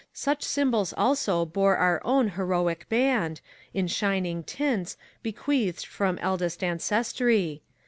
Such symbols also bore our own heroic band, In shining tints, bequeathed from eldest ancestry.